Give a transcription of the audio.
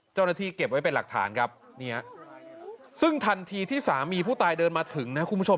เก็บไว้เป็นหลักฐานครับเนี่ยซึ่งทันทีที่สามีผู้ตายเดินมาถึงนะคุณผู้ชม